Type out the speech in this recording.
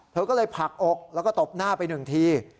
เธอก็เลยผลักอกแล้วก็ตบหน้าไปหนึ่งที